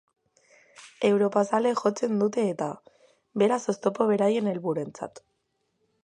Europazale jotzen dute eta, beraz, oztopo beraien helburuentzat.